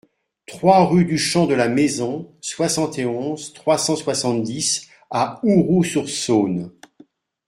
trois rue du Champ de la Maison, soixante et onze, trois cent soixante-dix à Ouroux-sur-Saône